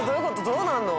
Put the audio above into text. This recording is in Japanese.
どうなるの？